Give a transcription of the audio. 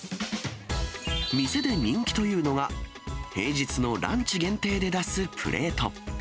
店で人気というのが、平日のランチ限定で出すプレート。